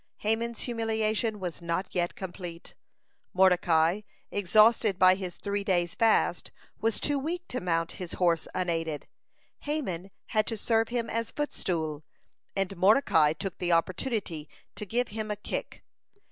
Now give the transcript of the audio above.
Haman's humiliation was not yet complete. Mordecai, exhausted by his three days' fast, was too weak to mount his horse unaided. Haman had to serve him as footstool, and Mordecai took the opportunity to give him a kick.